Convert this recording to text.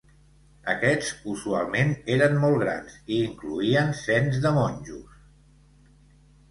Aquests usualment eren molt grans i incloïen cents de monjos.